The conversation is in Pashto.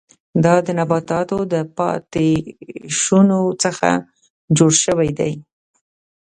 دا د نباتاتو د پاتې شونو څخه جوړ شوي دي.